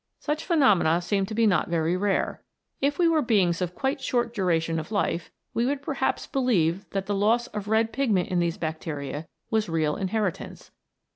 Such phenomena seem to be not very rare. If we were beings of quite short duration of life, we would perhaps believe that the loss of red pigment in these bacteria was real inheritance.